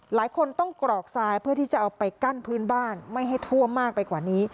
หลายคนต้องกรอกทรายเพื่อที่จะเอาไปกั้นพื้นบ้านไม่ให้ท่วมมากไปกว่านี้